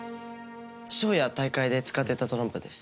ショーや大会で使ってたトランプです。